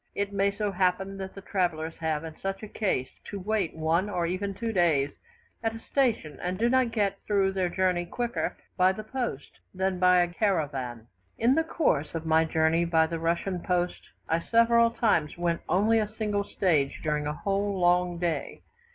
It may so happen that travellers have in such a case to wait one or even two days at a station, and do not get through their journey quicker by the post than by a caravan. In the course of my journey by the Russian post, I several times went only a single stage during a whole long day.